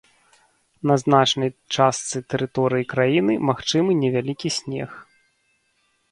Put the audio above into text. На значнай частцы тэрыторыі краіны магчымы невялікі снег.